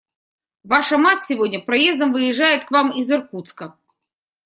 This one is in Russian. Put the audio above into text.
Ваша мать сегодня поездом выезжает к вам из Иркутска.